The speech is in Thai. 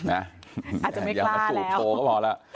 อาจจะไม่กล้าแล้ว